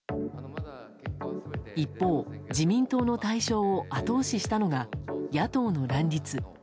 一方、自民党の大勝を後押ししたのが野党の乱立。